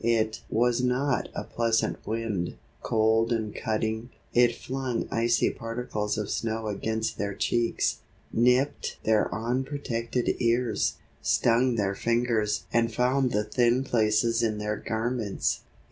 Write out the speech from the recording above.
It was not a pleasant wind. Cold and cutting, it flung icy particles of snow against their cheeks, nipped their unprotected ears, stung their fingers and found the thin places in their garments.